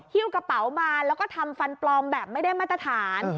ฮิ้วกระเป๋ามาแล้วก็ทำฟันปลอมแบบไม่ได้มาตรฐาน